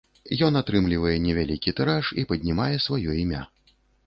Ён атрымлівае невялікі тыраж і паднімае сваё імя.